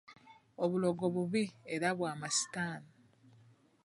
Obulogo bubi era bwa masitaani.